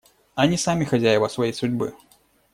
Они сами хозяева своей судьбы.